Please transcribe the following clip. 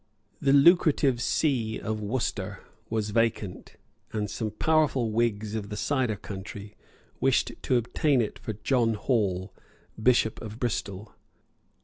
The lucrative see of Worcester was vacant; and some powerful Whigs of the cider country wished to obtain it for John Hall, Bishop of Bristol.